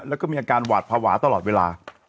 แล้วก็มีอาการหวาดภาวะตลอดเวลา